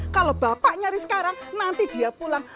kalau bapak nyari sekarang nanti dia pulang